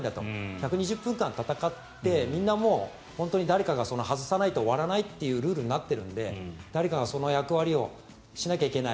１２０分間戦ってみんな本当に、誰かが外さないと終わらないというルールになってるので誰かがその役割をしなきゃいけない。